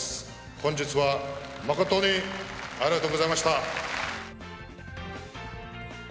本日は誠にありがとうございました。